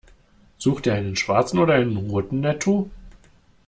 Sucht ihr einen schwarzen oder einen roten Netto?